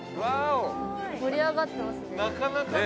盛り上がってますね。